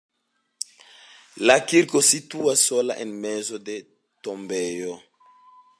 La kirko situas sola en mezo de tombejo.